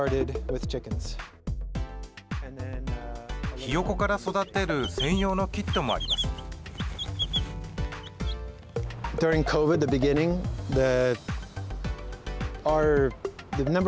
ひよこから育てる専用のキットもあります。